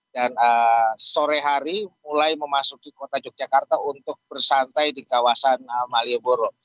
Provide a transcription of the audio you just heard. dan sore hari mulai memasuki kota yogyakarta untuk bersantai di kawasan malioboro